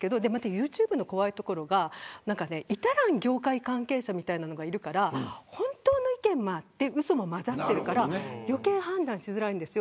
ユーチューブの怖いところがいかにも業界関係者みたいなのがいるから本当の意見もあってうそも混ざっているから余計判断しづらいんです。